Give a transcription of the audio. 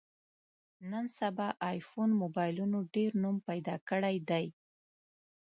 نن سبا ایفون مبایلونو ډېر نوم پیدا کړی دی.